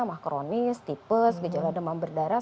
makronis tipes gejala demam berdarah